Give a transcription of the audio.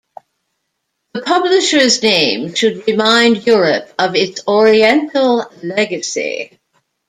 The publisher's name should remind Europe of its Oriental legacy.